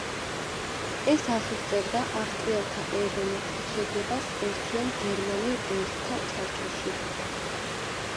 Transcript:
ეს ასუსტებდა ავსტრიელთა ეროვნულ თვითშეგნებას ერთიან გერმანელ ერთა ჩარჩოში.